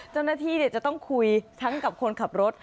เจ้าหน้าที่จะต้องคุยทั้งกับคนขับรถ